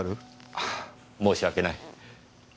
ああ申し訳ない。